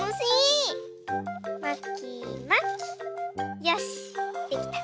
よしできた！